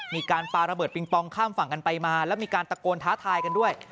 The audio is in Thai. มีการปาระเบิดปิงปองข้ามฝั่งกันไปมาแล้วมีการตะโกนท้าทายกันด้วย